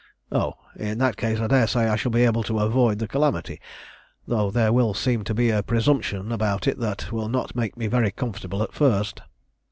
"Oh, in that case, I daresay I shall be able to avoid the calamity, though there will seem to be a presumption about it that will not make me very comfortable at first."